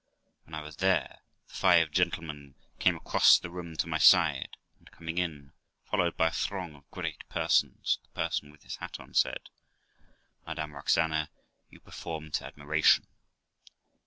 When I was there, the five gentlemen came across the room to my side, and, coming in, followed by a throng of great persons, the person with his hat on said, ' Madam Roxana, you perform to admira tion.'